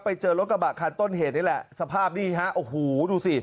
ไปเจอรถกระบะคันต้นเหตุนี่แหละสภาพนี่ฮะโอ้โหดูสิ